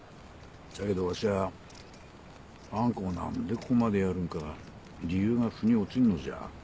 じゃけどわしはあん子が何でここまでやるんか理由が腑に落ちんのじゃ。